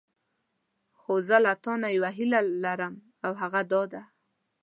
خو زه له تانه یوه هیله لرم او هغه دا ده.